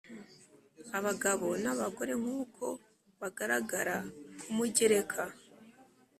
Abagabo n abagore nk uko bagaragara ku mugereka